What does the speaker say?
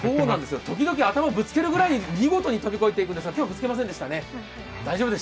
時々頭をぶつけるぐらいに見事に跳び越えていくんですが今日はぶつけませんでしたね。